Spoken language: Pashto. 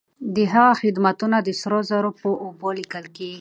د هغه خدمتونه د سرو زرو په اوبو ليکل کيږي.